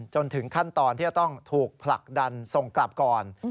จนถึงขั้นตอนที่จะต้องถูกผลักดันส่งกลับก่อน